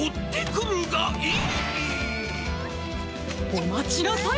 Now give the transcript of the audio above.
おまちなさい！